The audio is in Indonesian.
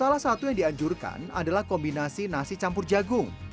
salah satu yang dianjurkan adalah kombinasi nasi campur jagung